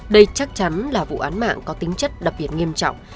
đây chắc chắn là vụ án mạng có tính chất đặc biệt nghiêm trọng